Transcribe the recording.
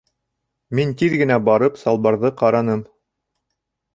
Мин тиҙ генә барып салбарҙы ҡараным.